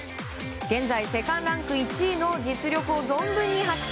現在、世界ランク１位の実力を存分に発揮。